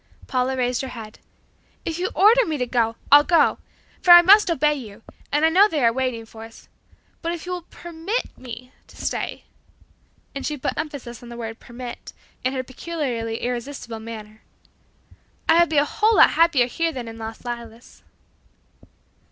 Paula raised her head. "If you order me to go, I'll go, for I must obey you, and I know they are waiting for us. But if you will permit me to stay" and she put emphasis on the word permit in her peculiarly irresistible manner "I would be a whole lot happier here than in 'Las Lilas.'"